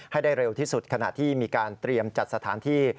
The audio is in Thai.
ให้ได้เร็วที่สุดขณะที่มีการเตรียมจัดสถานที่